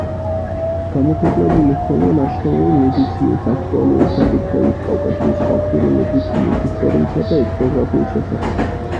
გამოქვეყნებული ჰქონდა ნაშრომები მედიცინის აქტუალური საკითხების, კავკასიის ხალხური მედიცინის, ისტორიისა და ეთნოგრაფიის შესახებ.